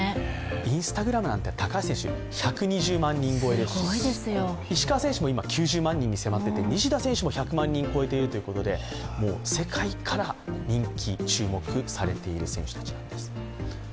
Ｉｎｓｔａｇｒａｍなんて、高橋選手、１２０万超えですし、石川選手も今９０万人に迫っていて、西田選手も１００万人超えていて世界から人気、注目されている選手たちなんです。